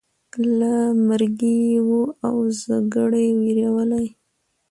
له مرګي یې وو اوزګړی وېرولی